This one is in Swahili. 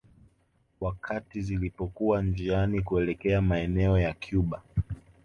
Wakati zilipokuwa njiani kuelekea maeneo ya Cuba